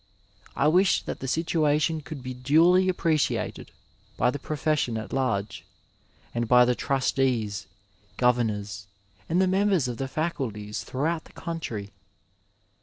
I wish that the sitaation could be duly appreciated by the profession at large, and by the trustees, governors and the members of the Acuities throughout the country.